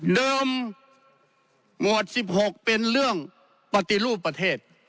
เดิมหมวดสิบหกเป็นเรื่องปฏิรูปประเทศ